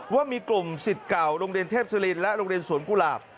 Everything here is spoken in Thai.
ว่ามีกลุ่มสิทธิ์เก่าโรงเรียนเทพศิรินและโรงเรียนสวนกุหลาบ